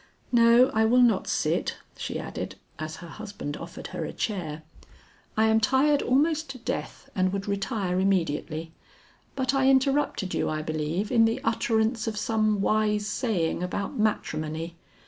"No, I will not sit," she added as her husband offered her a chair. "I am tired almost to death and would retire immediately, but I interrupted you I believe in the utterance of some wise saying about matrimony.